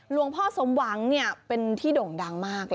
หลวงพ่อสมหวังเป็นที่ด่งดังมาก